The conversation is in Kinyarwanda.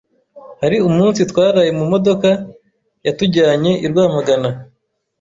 Hari umunsi twaraye mu modoka yatujyanye i Rwamagana